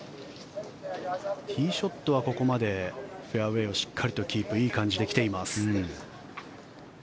ティーショットはここまでフェアウェーをしっかりとキープいい感じで来ています。